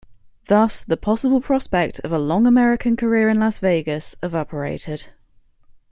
Thus the possible prospect of a long American career in Las Vegas evaporated.